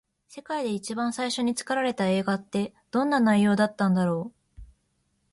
世界で一番最初に作られた映画って、どんな内容だったんだろう。